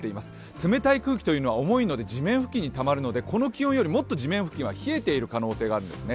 冷たい空気というのは重いので地面付近にたまるのでこの気温よりもっと地面付近は冷えている可能性があるんですね。